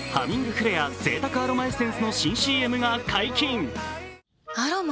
フレア贅沢アロマエッセンスの新ＣＭが解禁。